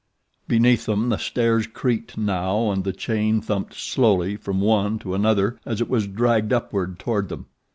Beneath them the stairs creaked now and the chain thumped slowly from one to another as it was dragged upward toward them.